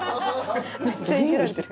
めっちゃイジられてる。